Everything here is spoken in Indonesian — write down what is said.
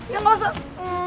ya gak usah